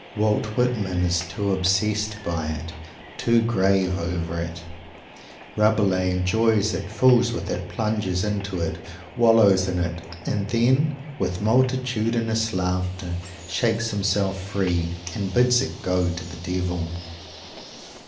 Walt Whitman is too obsessed by it; too grave over it Rabelais enjoys it, fools with it, plunges into it, wallows in it; and then, with multitudinous laughter, shakes himself free, and bids it go to the Devil!